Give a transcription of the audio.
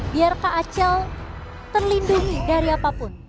biar kak acel terlindungi dari apapun